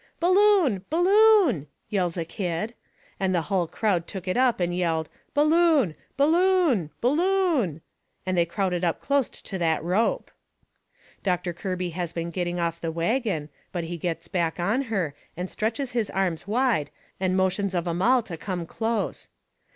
"Balloon! Balloon!" yells a kid. And the hull crowd took it up and yelled: "Balloon! Balloon! Balloon!" And they crowded up closte to that rope. Doctor Kirby has been getting off the wagon, but he gets back on her, and stretches his arms wide, and motions of 'em all to come close.